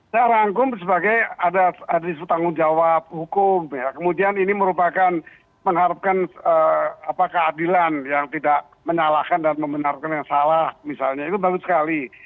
saya rangkum sebagai ada isu tanggung jawab hukum kemudian ini merupakan mengharapkan keadilan yang tidak menyalahkan dan membenarkan yang salah misalnya itu bagus sekali